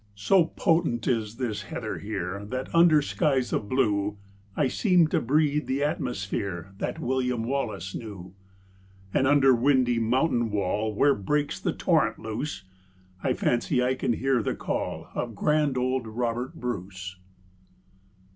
So potent is this heather here, That under skies of blue, I seem to breathe the atmosphere That William Wallace knew. And under windy mountain wall, Where breaks the torrent loose, I fancy I can hear the call Of grand old Robert Bruce.